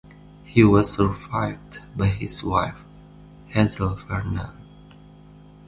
He was survived by his wife, Hazel Vernon.